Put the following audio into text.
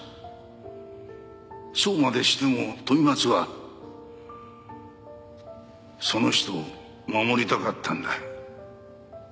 そうまでしても飛松はその人を守りたかったんだ。